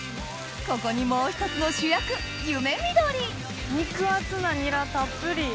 ここにもう一つの主役肉厚なニラたっぷり。